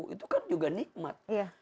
itu kan juga nikmat